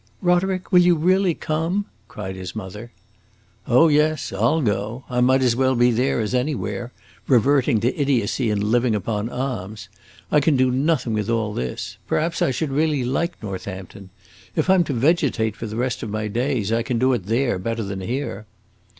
"Roderick, will you really come?" cried his mother. "Oh yes, I 'll go! I might as well be there as anywhere reverting to idiocy and living upon alms. I can do nothing with all this; perhaps I should really like Northampton. If I 'm to vegetate for the rest of my days, I can do it there better than here."